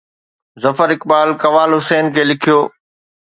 ظفر اقبال قوال حسين کي لکيو